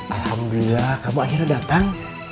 alhamdulillah kamu akhirnya datang